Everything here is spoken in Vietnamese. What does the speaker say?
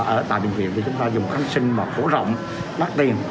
ở tại bệnh viện thì chúng ta dùng kháng sinh phổ rộng mát tiền